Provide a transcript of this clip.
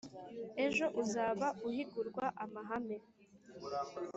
ejo uzaba uhigurwa amahame